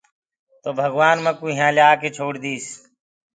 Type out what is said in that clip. تو ڀگوآن مئوُ يهآنٚ ڪيآ ڪي ڇوڙ ديٚس۔